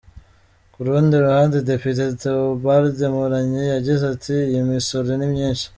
Ku rundi ruhande Depite Theobald Mporanyi yagize ati “Iyi misoro ni myinshi.